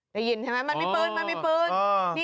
ได้ยินใช่ไหมมันมีปืนมันมีปืน